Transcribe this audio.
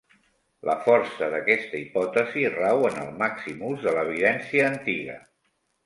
La força d'aquesta hipòtesi rau en el màxim ús de l'evidència antiga.